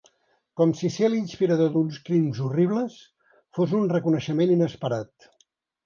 Com si ser l'inspirador d'uns crims horribles fos un reconeixement inesperat.